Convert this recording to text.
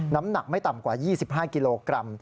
น้ำหนักไม่ต่ำกว่า๒๕กิโลกรัม